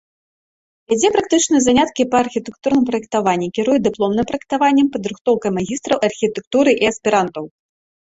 Вядзе практычныя заняткі па архітэктурным праектаванні, кіруе дыпломным праектаваннем, падрыхтоўкай магістраў архітэктуры і аспірантаў.